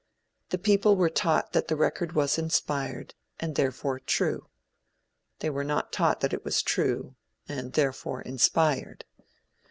The people were taught that the record was inspired, and therefore true. They were not taught that it was true, and therefore inspired.